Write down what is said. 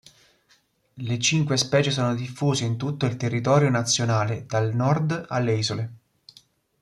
Le cinque specie sono diffuse in tutto il territorio nazionale, dal nord alle isole.